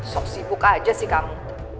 sop sibuk aja sih kamu